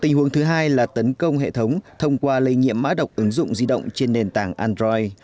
tình huống thứ hai là tấn công hệ thống thông qua lây nhiễm mã độc ứng dụng di động trên nền tảng android